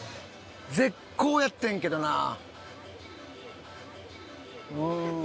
絶好やってんけどなぁ。